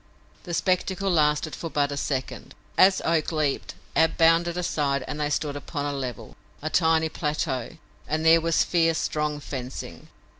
The spectacle lasted for but a second. As Oak leaped Ab bounded aside and they stood upon a level, a tiny plateau, and there was fierce, strong fencing.